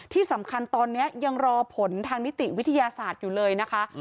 ที่สำคัญตอนนี้ยังรอผลทางนิติวิทยาศาสตร์อยู่เลยนะคะ